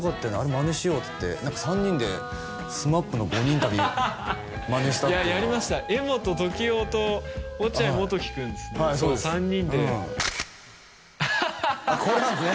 まねしよう」っつって３人でＳＭＡＰの「５人旅」まねしたっていうのはいややりました柄本時生と落合モトキくんですね３人でこれなんですね